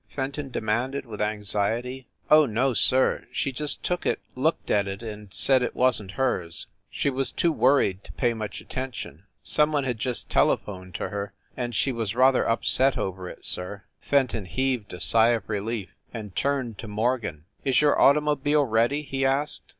Fenton demanded with anxiety. "Oh, no sir, she just took it, looked at it, and said it wasn t hers. She was too worried to pay much attention. Some one had just telephoned to her, and she was rather upset over it, sir." Fenton heaved a sigh of relief, and turned to Morgan. "Is your automobile ready ?" he asked.